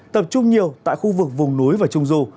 tập trung nhiều tại khu vực vùng núi và trung du